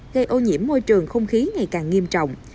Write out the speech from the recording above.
gây ô nhiễm môi trường không khí ngày càng nghiêm trọng